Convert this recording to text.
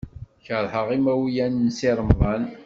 Keṛheɣ imawlan n Si Remḍan.